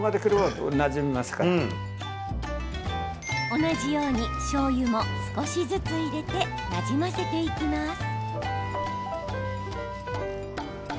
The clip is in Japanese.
同じようにしょうゆも少しずつ入れてなじませていきます。